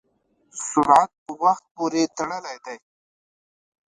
سرعت په وخت پورې تړلی دی.